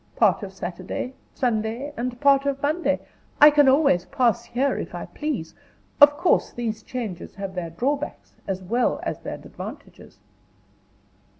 Part of Saturday, Sunday, and part of Monday, I can always pass here, if I please. Of course these changes have their drawbacks, as well as their advantages."